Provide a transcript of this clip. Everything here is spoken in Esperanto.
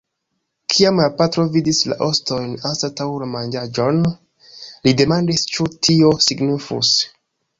Kiam la patro vidis la ostojn anstataŭ manĝaĵon, li demandis ĉu tio signifus.